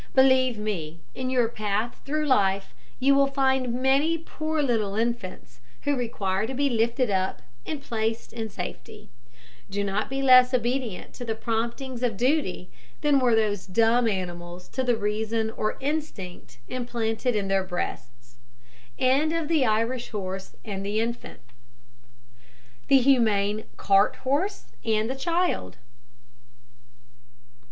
Believe me, in your path through life you will find many poor little infants who require to be lifted up and placed in safety. Do not be less obedient to the promptings of duty than were those dumb animals to the reason or the instinct implanted in their breasts. THE HUMANE CART HORSE AND THE CHILD.